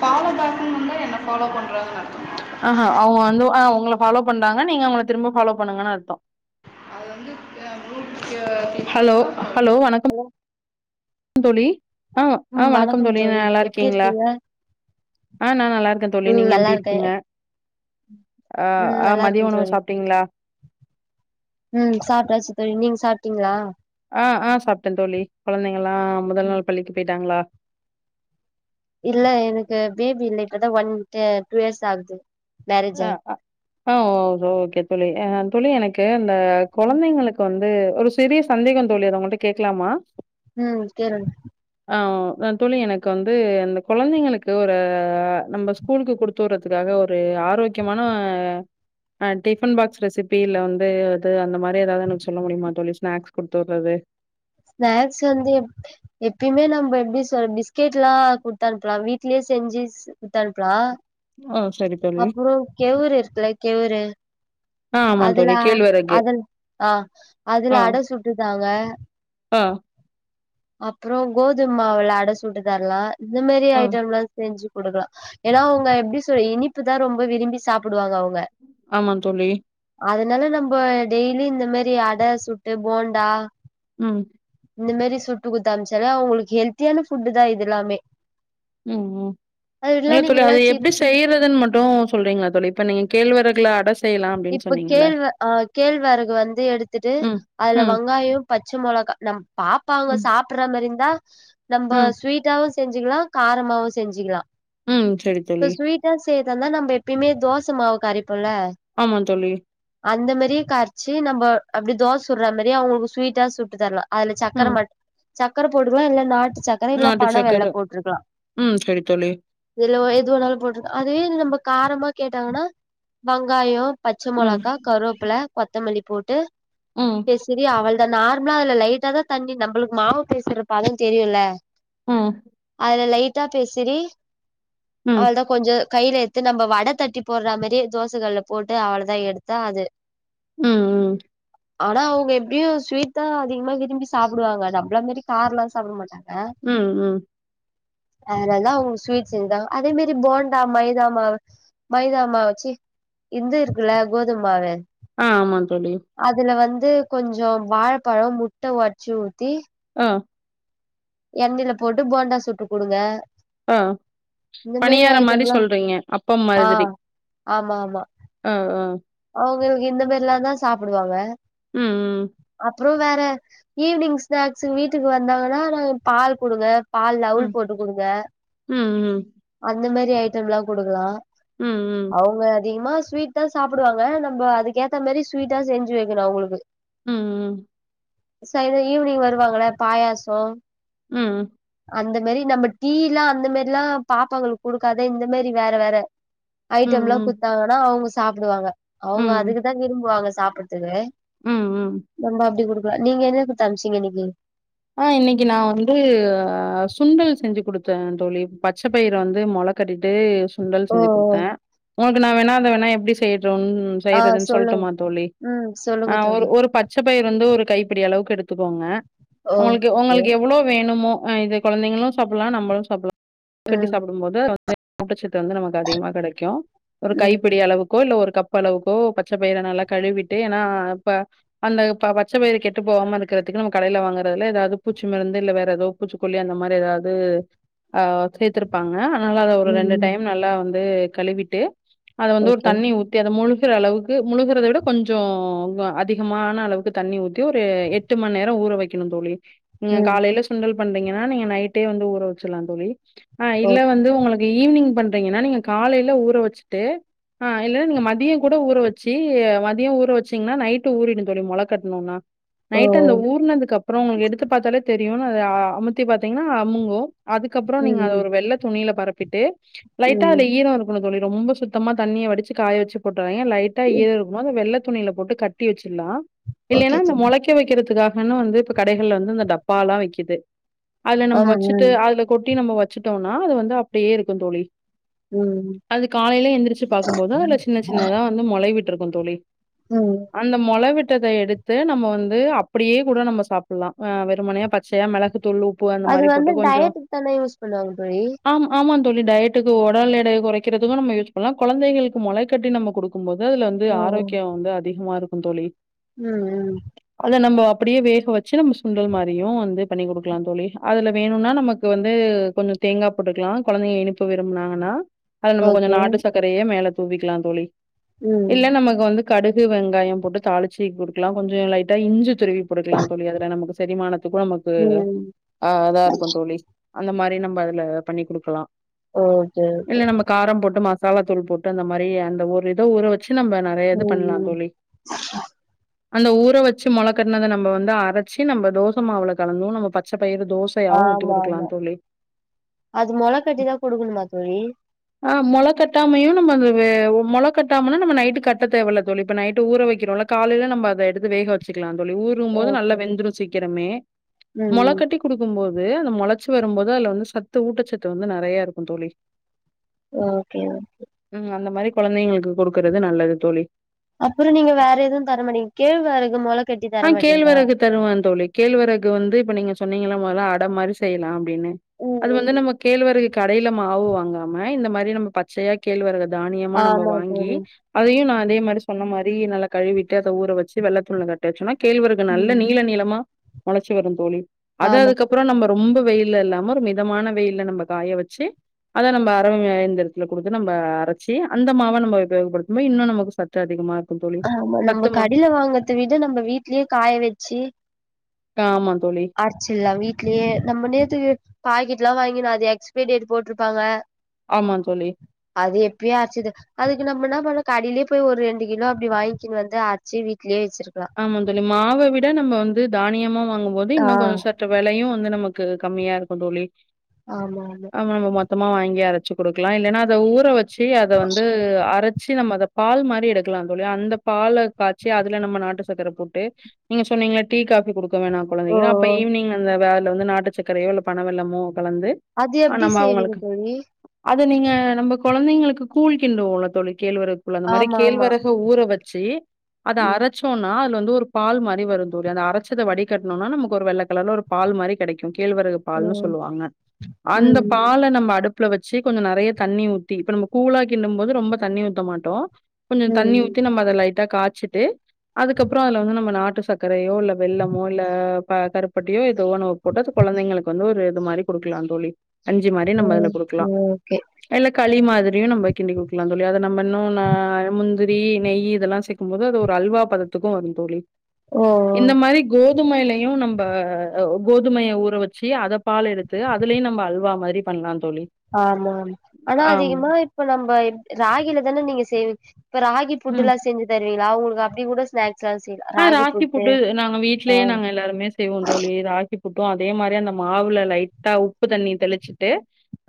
Follow [unintelligible] இருந்தா என்ன follow பண்றதுண்ணு அர்த்தமா ஆஹா அவுங்க வந்து ஆ உங்கள ஃபாலோ பண்றாங்க நீங்க அவங்கள திரும்ப ஃபாலோ பண்ணுங்கன்னு அர்த்தோ ஹலோ ஹலோ வணக்கம் [unintelligible] தோழி ஆ ஆ ம் வணக்கம் தோழி நல்லா எப்டி இருக்கீங்களா இருக்கீங்க ஆ நா நல்லாருக்க தோழி ம் நீங்க நல்லா எப்படி இருக்கே இருக்கீங்க அ ம் ஆ நல்லா இருக்கே மதிய உணவு தோழி சாப்ட்டீங்களா ம் சாப்ட்டாச்சு தோழி நீங்க சாப்ட்டீங்களா அ அ சாப்ட்ட தோழி கொழந்தைங்கல்லா முதல் ம். நாள் பள்ளிக்கு போயிட்டாங்களா இல்ல எனக்கு பேபி இல்ல இப்பதா ஒன் ட டூ இயர்ஸ் ஆகுது மேரேஜ் ஆயி [unintelligible] அ ஓ ஓகே தோழி அ தோழி எனக்கு அந்த கொழந்தைங்களுக்கு வந்து ஒரு [unintelligible] பெரிய சந்தேகம் தோழி அத உங்கள்ட கேக்கலாமா ம் கேளுங்க ஆ அ தோழி எனக்கு வந்து இந்த கொழந்தைங்களுக்கு ஒரு நம்ப ஸ்கூல்க்கு குடுத்துவுடுறத்துக்காக ஒரு ஆரோக்கியமான அ டிஃபன் ஃபாக்ஸ் ரெசிபி இல்ல வந்து அது அந்த மாரி எதாவது எனக்கு சொல்ல முடியுமா தோழி ஸ்னாக்ஸ் குடுத்துடுறது ஸ்னாக்ஸ் வந்து எப் எப்பயுமே நம்ப எப்டி சொல் பிஸ்கெட்லா குடுத்து அனுப்பலா வீட்லே செஞ்சி குத் அனுப்பலா ஆ சரி தோழி. அப்பறோ கேவுரு இருக்குல்ல கேவுரு ஆ ஆமா அதுல தோழி. கேழ்வரகு. அதல் ஆ அதுல ஆ அட சுட்டு தாங்க ஆ அப்பறோ கோதும் மாவுல அட சுட்டு தரலா இந்த மாரி ஆ ஐட்டம்லா செஞ்சி குடுங்க ஏன்னா அவுங்க எப்டி சுவை இனிப்புதா ரொம்ப விரும்பி சாப்புடுவாங்க அவுங்க ஆமா தோழி அதனால நம்ப டெய்லி இந்த மெரி அட சுட்டு போண்டா ம் இந்த மெரி சுட்டு குடுத்து அனுப்ச்சாலே அவுங்களுக்கு ஹெல்த்தியான ஃபுட்டு தா இது எல்லாமே ம் ம் அது இல்ல நீங்க தோழி எல்லா அது எப்டி சிப்ஸு செய்ய றதுன் மட்டு சொல்றீங்களா தோழி இப்ப நீங்க கேள்வரகுள அட சு இப்ப கேள்வ ஆ கேழ்வரகு வந்து எடுத்துட்டு ம், அதுல ம், வங்காயோ பச்ச மொளகா நம் பாப்பாங்க ம், சாப் பிட்ற மாரி இர்ந்தா நம்ப ம், ஸ்வீட்டாவு செஞ்சிகலா காரமாவு செஞ்சிகலா ம். சரி இப்ப தோழி. ஸ்வீட்டா செய்யற்தா இர்ந்தா நம்ப எப்பயுமே தோசமாவு கரைப்போல்ல ஆமா தோழி அந்த மாரியே கர்ச்சு நம்ப அப்டி தோஸ் சுட்ற மாரியே அவுங்ள்க்கு ஸ்வீட்டா சுட்டு தர்லா அதுல சக்கர ம். மட் சக்கர போடுலா இல்ல நாட்டு சக் கர இல்ல நாட்டு சக்கர. பனவெல்லோ போட்ருக்கலா ம். சரி தோழி. இதுலோ எது வேணாலு போட்ருக் அதுவே நம்ப காரமா கேட்டாங்கனா வெங்காயோ, பச்ச ம். மொளகா, கருவேப்பில, கொத்தமல்லி போட்டு ம், பெசறி அவல் இந்த நார்மலா அதுல லைட்டா தா தண்ணி நம்பளுக் மாவு பெசைற பதோ தெரியுல்ல ம், அதுல லைட்டா பெசறி ம், அவ்ள் தா கொஞ்சோ கைல எத்து நம்ப வட தட்டி போட்ற மாரி தோசக்கல்ல போட்டு அவ்வள தா எடுத்தா அது ம் ம் ஆனா அவுங்க எப்டியு ஸ்வீட் தா அதிகமா விரும்பி சாப்புடுவாங்க நம்பள மாரி காரோலா சாப்பட மாட்டாங்க ம் ம் அதுதா அவுங்க ஸ்வீட் செஞ்சாங்க அதே மாரி போண்டா மைதா மாவு மைதா மாவ் வெச்சி இந்து இருக்குல்ல கோதும் மாவு அ ஆமாங் தோழி அதுல வந்து கொஞ்சோ வாழப்பழோ, முட்ட ஒட்ச்சு ஊத்தி அ எண்ணைல போட்டு போண்டா சுட்டு குடுங்க அ இந்த பணியாரம் மாரி ஐட்டம்லா சொல்றீங்க அப்பம் மாதிரி ஆமாமா அ அ அவுங்கள்க்கு இந்த மாரிலாதா சாப்புடுவாங்க ம் ம் அப்றோ வேற ஈவினிங் ஸ்நாக்ஸு வீட்டுக்கு வந்தாங்கனானா பால் குடுங்க பால்ல அவுல் ம், போட்டு குடுங்க ம், அந்த மாரி ஐட்டம்லா குடுக்கலா ம் ம் அவுங்க அதிகமா ஸ்வீட் தா சாப்புடுவாங்க நம்ப அதுக்கேத்த மாரி ஸ்வீட்டா செஞ்சு வெக்கணு அவுங்களுக்கு ம் ம் சாய்ங்காலோ ஈவ்னிங் வருவாங்கல்ல பாயாசோ ம் அந்த மாரி நம்ப டீலா அந்த மாரிலா பாப்பாகளுக் குடுக்காத இந்த மாரி வேற வேற ம், ஐட்டம்லா ம், குட்த்தா கூட அவுங்க சாப்புடுவாங்க அவுங்க ம், அதுக்குதா விரும்புவாங்க சாப்பட்த்துக்கு ம், ம். நம்ப அப்டி குடுக்கலா நீங்க என்ன குட்த் அம்ச்சீங்க இன்னைக்கி அ இன்னைக்கி நா வந்து அ சுண்டல் செஞ்சு குடுத்த தோழி பச்ச பயிற வந்து மொள கட்டீட்டு சுண்டல் ஓ செஞ்சு ஓ குடுத்தே உனக்கு நா வேணா அத வேணா எப்டி செய்யட்டுன் ஆ செய்றதுன் சொல்லுங்க சொல்ட்டுமா தோழி ம் சொல்லுங்க அ ஒரு தோழி ஒரு பச் ச்ச பயிற் வந்து ஒரு கைப்பிடி அளவுக்கு எடுத்துக்கோங்க ஓ உங்களுக்கு கே உங்களுக்கு எவ்ளோ வேணுமோ அ இது கொழந்தைங்களு சாப்பில்லா நம்பளு சாப்பில்லா கட்டி ம் சாப்பிடு ம்போது அதுல [inaudible] ஊட்டச்சத்து வந்து நமக்கு அதிகமா கெடைக்கு ஒரு ம் கைப்பிடி அளவுக் கோ இல்ல ஒரு கப் அளவுக்கோ பச்ச பயிற நல்லா கழுவிட்டு ஏனா இப்ப அந்த ப பச்ச பயிறு கெட்டுபோவாம இருக்கறத்துக்கு நம்ப கடைல வாங்கற துல எதாவ்து பூச்சி மருந்து இல்ல வேற எதோ பூச்சிக்கொல்லி அந்த மாரி எதாவ்து அ சேத்துருப்பாங்க அதனால அத ஒரு ம் ரெண்டு ம் டைம் நல்லா வந்து கழுவிட்டு அத வந்து ஒரு ஓகே தண்ணி ஊத் தி அது முழுகிற அளவுக்கு முழுகிறத விட கொஞ்சோ அதிகமான அளவுக்கு தண்ணி ஊத்தி ஒரு எட் ட்டு மண்நேர ஊறவக் கிணு தோழி நீங்க ம் காலையில சுண்டல் பண்றீங்கன்னா நீங்க நைட்டே வந்து ஊற வச்சுலா தோழி அ ஓ இல்ல வந்து ஒங்குளுக்கு ஈவ்னிங் பண்றீங்கன்னா நீங்க காலையில ஊற வச்சுட்டு அ இல்லனா நீங்க மதியங்கூட ஊற வச்சு மதியோ ஊற வச்சீங்கன்னா நைட்டு ஊறிடுந்தோழி மொள கட்ணோன்னா ஓ நைட்டு அந்த ஊர்னதுக்கப்புறோ எடுத்து பாத்தாலே தெரியு அமுத்தி பாத்தீங்ன்னா அமுங்கு அதுக்கப்பறோ நீங்க அத ம் ஒரு வெள்ள துணில பரப்பிட்டு லைட்டா ம் அதுல ஈரோ இருக் ங்க தோழி ரொம்ப சுத்தமா தண்ணிய வடிச்சி காய வச்சு போட்றாதிங்க லைட்டா ம் ஈரோ இருக்கும் போது வெள்ள துணில போட்டு கட் தி வச்சிலா ஓகே இல்லன்னா அந்த தோழி முளைக்க வைக்கிறதுக்காகனு வந்து கடைகள்ல வந்து இந்த டப்பாலா விக்குது அதுல நம்ம ம் வச்சுட்டு ம் அதுலகொட்டி நம்ம வச் வச்சிடோனா அது வந்து அப்டியே இருக்கும் தோழி ம் அது காலையில எந்திரிச்சு பாக்கும்போது அதுல சின்ன சின்னதா வந்து முளைவிட்ருக்கு தோழி உம் அந்த மொள விட்டத எடுத்து நம்ம வந்து அப்டியே கூட நம்ம சாப் ல்லா வெறுமனயா பச்சையா மிளகு தூள் உப் அது வந்து டயடுக்கு தானே யூஸ் பண்ணுவாங்க தோழி ஆமா ஆமா தோழி டயட்டுக்கு உடல் எடை குறைக்கிறதுக்கு நம்ம யுஸ் பண்ணலா குழந்தைகளுக்கு முளை கட்டி நம்ம கொடு ம்போது அதுல வந்து ஆரோக்கியோ வந்து அதிகமா இருக்கு தோழி உம் உம் அத நம்ப அப்டியே வேக வச் சுண்டல் மாரியு வந்து பண்ணி கொடுக்லா தோழி அதுல வேணுன்னா நமக்கு வந்து கொஞ்சோ தேங்கா போட்டுக்லா குழந்தைங்க இனிப்பு விரும்பினாங்னா அத நம்ம கொஞ்சோ ஓகே நாட்டு சக்கரையே மேல தூவிக்லா தோழி ம் இல்ல நமக்கு வந்து கடுகு வெங்காயம் போட்டு தாளிச்சி கொடுக்கலா கொஞ்சோ லைட்டா இஞ்சி துருவி போட்டுக்லா நமக்கு செரிமானதுக்கு நமக்கு ம் ஆ அதா இருக்கு தோழி அந்த மாரி நம்ம அதுல பண்ணி குடுக்லா ஓகே ஓகே காரம் போட்டு மசாலா தூள் போட்டு அந்த மாரி அந்த ஒரு இத ஊரவச்சி நம்ப எது ம் பண்லா ம் தோழி அந்த ஊர வச்சி முளக்கட்னத நம்ம வந்து அரச்சி நம்ம தோசை மாவுள கலந்து நம்ம பச்ச பயிறு தோச ஆமாமா அது மொளக்கட்டி தா குடுக்கணுமா தோழி ஆ மொள கட்டாமயு நம்ம அ மொள கட்டாமனா நம்ம நைட்டு கட்ட தேவல்ல தோழி இப்ப நைட்டு ஊற வைக்கிறோல்ல காலையில நம்ம அத எடுத்து வேக வச்சிக்லா தோழி ஊரும் போது நல்லா ஓகே வெந்துடு சீக்ரமே ம் மொளகட்டி குடுக்கு போது அந்த முளச்சி வரும்போது அதுல வந்து சத்து ஊட்டசத்து வந்து நறையா இருக்கு தோழி ஓகே ஓகே உம் அந்த மாரி குழந்தைகளுக்கு கொடுக்றது நல்லது தோழி அப்புறோ நீங்க வேற எதுவு தர மாடிங்க கேழ்வரகு மொளக் ஆ கேழ்வரகு தருவோ தோழி கேழ்வரகு வந்து இப்ப நீங்க சொன்னீங்ல முதல்ல அட மாரி செய்லா அப்டின்னு அது வந்து ம் நம்ம கேழ்வரகு கடையில மாவு வாங்காம இந்த மாரி நம்ம பச் ச்சையா கேள்வரகு தானியமா நம்ம ஆமா வாங்கி தோழி அதையு நா அதே மாரி சொன்ன மாரி நல்லா கழுவிட்டு அத ஊற வச்சி வெள்ளதுணில கட்டி வச்சுருவே கேழ்வரகு நல்ல ம் நீள நீளமா முளச்சி வரும் தோழி அத ஆமா அதுக்கப் அப்பறோ நம்ப ரொம்ப வெயில்ல இல்லாம ஒரு மிதமான வெயில நம்ப காய வச்சி அத நம்ப அரவை இயந்தரத்துல கொடுத்து நம்ம அரைச்சி அந்த மாவ நம்ம உபயோகபடுத்தும்போது இன்னு நமக்கு சத் த்து அதிகமாருக்குந் தோழி கத்துமா இத்தவிட நம்ம வீட்லியேக் காய வெச்சி காமாந் தோழி அரச்சில்லா வீட்லியே நம்ம நேத்து கேட் பாக்கிட்லா வாங்கினு அது எக்ஸ்பிரி டேட் போட்ருபாங்க ஆமாந் தோழி அது எப்பியே அரச்சிது அதுக்கு நாம் என்னாப் பண்ணோ கடலியேப் போய் ஒரு ரெண்டு கிலோப் அப்டி வாய்ங்கினு வந்து அரச்சி வீட்லியே வெச்சிருக்லா ஆமாந் தோழி மாவ விட நம்ம வந்து தானியமா வாங்கும்போது ஆ இன்னுங் கொஞ்ச சத் ட்ற வெலையு வந்து நமக்கு கம்மியாருக்குந் தோழி ஆமா ஆமா நம்ம நம்ம மொத்தமா வாங்கி அரச்சிக் குடுக்லா இல்லேனா அத ஊற வெச்சி அத வந்து அரச் ச்சி நம்ப அதப் பால் மாரி எடுக்லாந் தோழி அந்தப் பால காச்சி அதுல நம்ம நாட்டுச் சக்கர போட்டு நீங்க சொன்னீங்ல டீ காஃபி குடுக்க வேணா ஓ கெழந்தைகுனு அப்ப ஓ ஈவினி்ங் அந்த வேல வந்து நாட்டுக் சக்கரையோ இல்ல பண வெல்லமோ கலந்து அது ஆ எப்டி நம்ம செய்வீங்க அவுங்களுக்கு தோழி அத நீங்க நம்பக் கொழந்தைங்களுக்கு கூழ் கிண்டுவோலத் தோழி கேழ்வரக் கூழ் அந்த மாரிக் ஆமா ஆமா கேழ்வரக ஊற வெச்சி அத‌ ம் அரச்சு தோனா அதுல வந்து ஒருப் பால் மாரி வருந் தோழி அந்த அரச்சத வடி கட்னோனா நமக்கு ஒரு வெள்ளக் கலர்ல ஒரு பால் மாரி கெடைக்கு கேழ்வரகுப் பால்னு ம் சொல்லுவாங்க அந்தப் ம் பால நம்ம அடுப் ப்ல வெச்சி கொஞ்ச நெறையத் தண்ணி ஊத்தி இப்ப நம்ம கூழாக் கிண்டும் போது ரொம்பத் தண்ணி ஊத்த மாட்டோ கொஞ்சோ தண்ணி ம் ஊத்தி நம்ம அத லைட்டாக் காச்சிட்டு அதுக்கப்றோ அதுல வந்து நம்ம நாட்டு சக் க்கரையோ இல்ல வெல்லமோ இல்ல ப கருப்பட்டியோ எதோ ஒன்னோ போட்டோச் கெழந்தைங்களுக்கு வந்து ஒரு இது மாரிக் குடுக்லாந் தோழி கஞ்சி மாரி ம் நம்ம ம் அதலக் குடுக்லா ஓகே இல்லக் களி மாதிரியு நம்ப கிண்டி குடுக்லாந் தோழி அத நம்ம இன்னு ந முந்திரி நெய்யி இதெல்லா சேக் க்கும் போது அது ஒரு அல்வாப் பதத்துக்கு வருந் தோழி ஓ ஓ இந்த மாரிக் கோதுமைலியு நம்ப கோதுமைய ஊற வெச்சி அதப் பால் எடுத்து அதுலையு நம்ப அல்வா மாரிப் பண்லாந் தோழி ஆமாம் ஆனா ஆமா அதிகமா இப்ப நம்ப எப் ராகில தானே நீங்க செய்விங் இப்ப ராகிப் ம் புட்டுலா செஞ்சி தருவிங்கலா அவுங்குளுகு அப்டி கூட ஸ்னாக்ஸ்லா செய்லா ஆ ராகி புட்டு நாங்க விட்லயே நாங்க எல்லாருமே செய்வோந் தோழி ராகிப் புட்டு அதே மாரி அந்த மாவுல லைட்டா உப்பு தண்ணி தெளிச்சுட்டு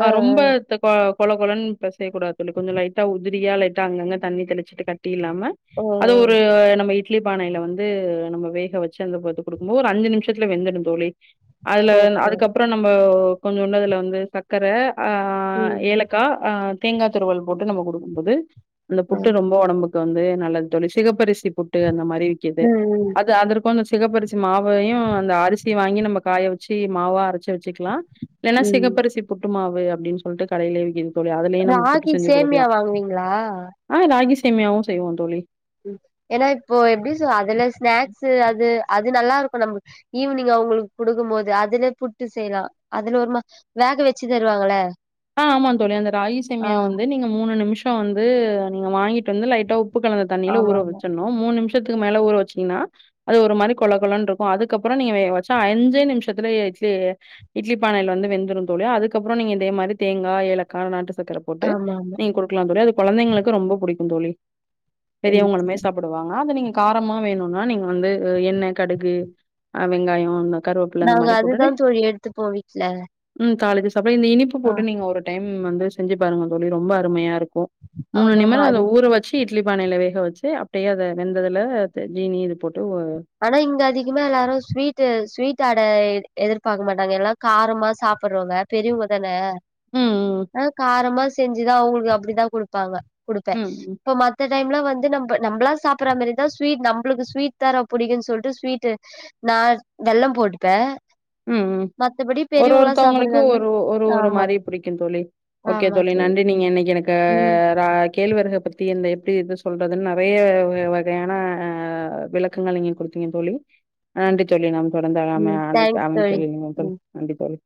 ஆ ரொம்ப தக் கொ கொழ கொழன் பெசய கூடாத் தோழி கொஞ்சோ லைட்டா உதிரியா லைட்டா அங்கங்க தண்ணி தெளிச்சிட்டு கட்டி இல்லாம ஓ அது ஒரு ஓ நம்ப இட் பானைல வந்து நம்ம வேக வெச்சு அந்த போத்து குடுக்கும்போ ஒரு அஞ்சு நிம்ஷத்ல வெந்துடுந் தோழி அதுலன் ஓகே அதுக்கப்றோ நம்போ கொஞ்சூண்டு அதுல வந்து சக்கரே ஆ ம் ஏலக்கா ஆ தேங்காத் துருவல் போட்டு நம்ப குடுக்கும்போது அந்தப் ஆ புட்டு ரொம்போ ஒடம்புக் கு வந்து நல்லது தோழி சிகப்பரிசி புட்டு அந்த மாரி விக்கிது ம் அது அதற்க் கு இந்த சிகப்பரிசி மாவையு அந்த அரிசி வாங்கி நம்ப காய வெச்சி மாவா அரச்சி வெச்சிக்லா இல்லனா ம் ம் சிகப்பரிசி புட்டு மாவு அப்டின் சொல்ட்டுக் கடைலியே விக்கிது தோழி அதலையு நம்ம புட்டு ராகி செஞ்சி சேமியா குடுக்லா வாங்குவீங்களா ஆ ராகி சேம்யாவு செய்வோந் தோழி எனா இப்போ எப்டி சொ அதுல ஸ்நாக்சு அது அது நல்லாருக்கு நம்ம ஈவினிங் அவுங்களுகு குடுக்கும்மோது அதுல புட்டு செய்யலா அதுல ஒருமா வேக வெச்சி தருவாங்கள ஆ ஆமா தோழி அந்த ஆ ராகிசேமியா வந்து நீங்க மூணு நிமிஷோ வந்து நீங்க வாங்கிட்டு வந்து லைட்டா உ ப்பு கலந்த தண்ணியில ஆமா ஊற ஆமா வெச்சன்னு மூண் நிமிஷத்துக்கு மேல ஊற வெச்சீங்ன்னா அது ஒரு மாரி கொழ கொழம்ன்ருக்கு அதுக்கப்புறோ நீங்க வேக வெச்சா அஞ்சே நிமிஅஷத்துலேயே இட்லி இட்லி பானையில வந்து வெந்துருந் தோழி அதுக்கப்புறோ நீங்க இதே மாரி தேங்க்கா ஏலக்கா நாட்டு சக்கர போட்டு ஆமா ஆமா நீங் குடு க்லா தோழிஅது கொழந்தைங்களுக்கு ரொம்போ புடிக்கு தோழி ம் பெரியவங்களுமே சாப் புடுவாங்க நீங்க காரமா வேணுனா நீங்க வந்து எண்ணெ கடுகு ஆ வெங்காயோ அந்த நாங்க மாரி அதுதா போட்டுட்டு தோழி எட்த்துப்போ விட்ல ம் காலிக்கு சாப்பா இந்த இனிப்பு போட்டு நீங்க ஒரு டைம் வந்து செஞ்சு பாருங்க தோழி ரொம்ப அருமையா இரு க்கு மூணு ஆமா நிமிட ஆமா அது அத ஊற வெ ச்சு இட்லி பானையில வேக வெச்சு அப்டியே அத வெந்ததுல அது ஜீனி இது போட்டு ஒ ஆனா இங்க அதிகமா எல்லாரு ஸ்வீட்டு ஸ்வீட் அடை எதிர்பாக்க மாட்டாங்க எல்லா காரமா சாப்புறவங்க பெரியவுங்க தான ம், ம். ஆ காரமா செஞ்சுதா அவுங்களுக்கு அப்டித்தா குடுப்பாங்க குடுப்பே ம், ம். இப்ப மத் த்த டைம்லா வந்து நம்ப நம்ப்ளா சாப்பிற மாரிதா ஸ்விட் நம்ப்ளுக்கு ஸ்விட்தா ரொ புடிக்குன் சொல்ட்டு ஸ்வீட்டு நா வெள்ளம் போட்டுப்பே ம் மத்தபடி ஒரு பெரியவங்களா ஒருத்தவங்களுக்கு சாப்புடுதாருந்தா ஒரு ஒரு ஒரு ஆமா மாரி பிடிக்குந் தோழி ஓகே தோழி நன்றி நீங்க இன்னைக்கு எனக்கு ம் ரா கேழ்வரக பத்தி இந்த எப்டி இது சொல்றதுன் நெறைய வ வகையான விளக்கங்கள் நீங்க என் குடுத்தீங்க தோழி நன்றி தோழி நாம் தொடர்ந்து நாம ம் தேங்க்ஸ் அனைத்து தோழி [unintelligible] ம் தோழி நன்றி தோழி